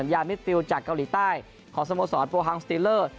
ยามิดฟิลจากเกาหลีใต้ของสโมสรโปรฮังสติลเลอร์